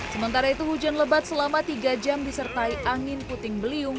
sementara itu hujan lebat selama tiga jam disertai angin puting beliung